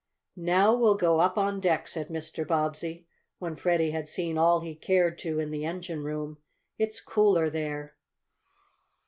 "Now we'll go up on deck," said Mr. Bobbsey, when Freddie had seen all he cared to in the engine room. "It's cooler there."